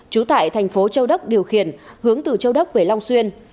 trú tại thành phố châu đốc điều khiển hướng từ châu đốc về long xuyên